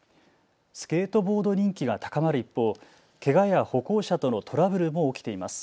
スケートボード人気が高まる一方、けがや歩行者とのトラブルも起きています。